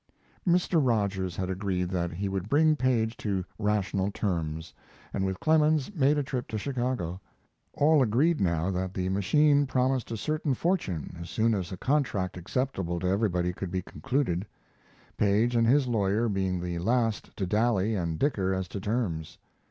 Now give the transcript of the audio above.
Mr. Rogers had agreed that he would bring Paige to rational terms, and with Clemens made a trip to Chicago. All agreed now that the machine promised a certain fortune as soon as a contract acceptable to everybody could be concluded Paige and his lawyer being the last to dally and dicker as to terms.